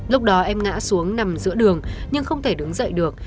lúc đó em ngã xuống nằm giữa đường nhưng không thể đứng dậy được